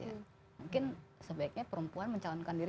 mungkin sebaiknya perempuan mencalonkan diri